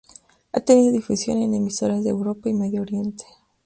Ha tenido difusión en emisoras de Europa y Medio Oriente.